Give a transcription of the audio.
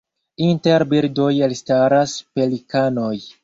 Inter birdoj elstaras pelikanoj.